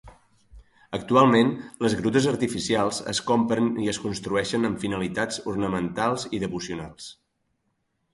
Actualment, les grutes artificials es compren i es construeixen amb finalitats ornamentals i devocionals.